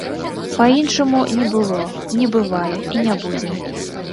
Па-іншаму не было, не бывае і не будзе.